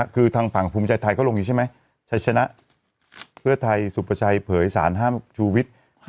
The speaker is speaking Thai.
คือทางฝั่งภูมิใจไทยเขาลงอยู่ใช่ไหมชัยชนะเพื่อไทยสุประชัยเผยสารห้ามชูวิทย์